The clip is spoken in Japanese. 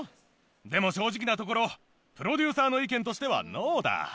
でも正直なところプロデューサーの意見としてはノーだ。